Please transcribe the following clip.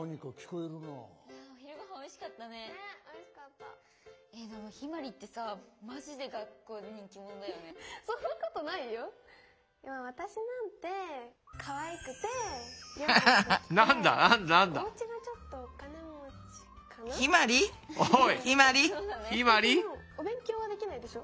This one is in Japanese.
えっでもお勉強はできないでしょ。